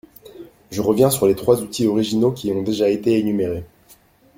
Je reviens sur les trois outils originaux qui ont déjà été énumérés.